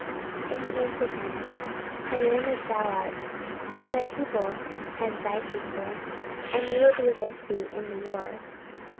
And he answered him, I am as thou art, and my people as thy people; and we will be with thee in the war.